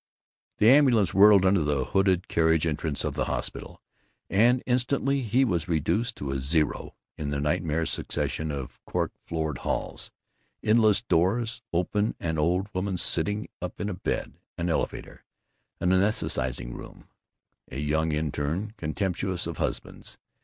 The ambulance whirled under the hooded carriage entrance of the hospital, and instantly he was reduced to a zero in the nightmare succession of cork floored halls, endless doors open on old women sitting up in bed, an elevator, the anesthetizing room, a young interne contemptuous of husbands.